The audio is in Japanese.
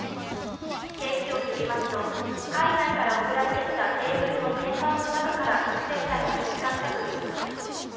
警視庁によりますと、海外から送られてきたテーブルの天板の中から覚醒剤が見つかったということです。